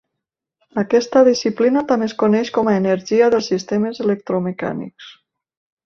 Aquesta disciplina també es coneix com a energia dels sistemes electromecànics.